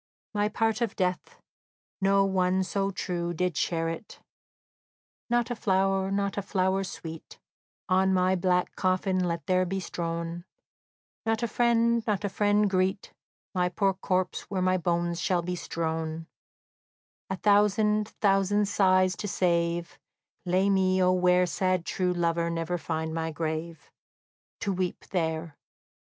My part of death, no one so true Did share it. "Not a flower, not a flower sweet, On my black coffin let there be strown; Not a friend, not a friend greet My poor corpse, where my bones shall be strown; A thousand, thousand sighs to save, Lay me, O where Sad true lover never find my grave To weep there!"